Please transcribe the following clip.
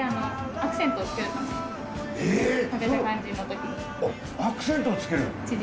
アクセントをつける？